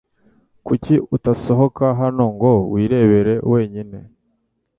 Kuki utasohoka hano ngo wirebere wenyine?